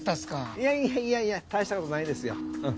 いやいやいやいや大したことないですようん。